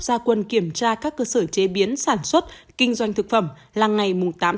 gia quân kiểm tra các cơ sở chế biến sản xuất kinh doanh thực phẩm là ngày tám bốn